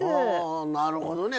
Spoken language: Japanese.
なるほどね。